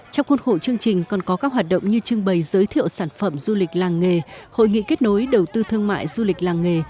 trong khuôn khổ chương trình còn có các hoạt động như trưng bày giới thiệu sản phẩm du lịch làng nghề hội nghị kết nối đầu tư thương mại du lịch làng nghề